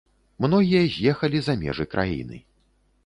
Многія з'ехалі за межы краіны.